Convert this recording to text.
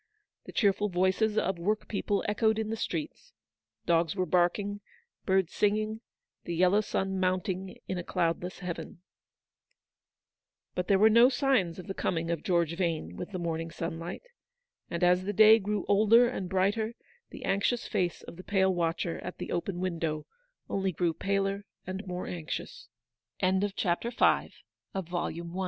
The cheerful voices of workpeople echoed in the streets j dogs were barking, birds singing, the yellow sun mounting in a cloudless heaven. But there were no signs of the coming of George Vane with the morning sunlight ; and as the day grew older and brighter, the anxious face of the pale watcher at the open